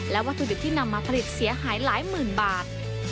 วัตถุดิบที่นำมาผลิตเสียหายหลายหมื่นบาท